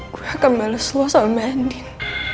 gue akan balas semua sama endin